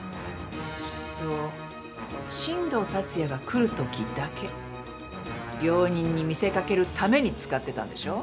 きっと新藤達也が来るときだけ病人に見せかけるために使ってたんでしょ？